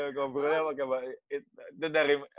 ngobrolnya pakai bahasa indonesia